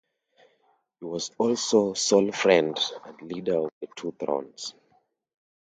He was also "sole friend" and "leader of the two thrones".